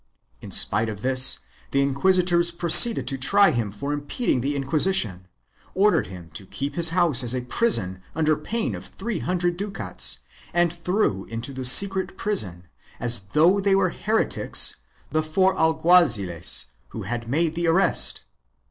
In spite of this the inquisitors proceeded to try him for impeding the Inquisition, ordered him to keep his house as a prison under pain of three hundred ducats, and threw into the secret prison, as though they were heretics, the four alguaziles who had made the arrest.